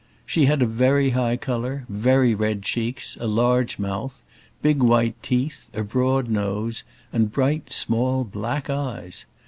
She had a very high colour, very red cheeks, a large mouth, big white teeth, a broad nose, and bright, small, black eyes.